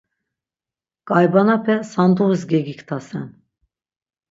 Ǩaybanape sanduğis gegiktsasen.